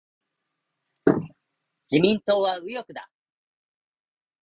自民党は右翼だ。